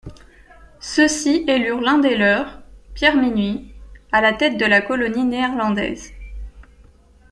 Ceux-ci élurent l'un des leurs, Pierre Minuit, à la tête de la colonie néerlandaise.